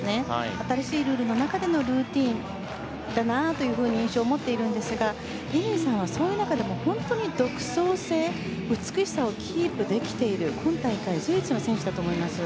新しいルールの中でのルーティンだなというふうな印象を持っているんですが乾さんは、そういう中でも本当に独創性美しさをキープできている今大会唯一の選手だと思います。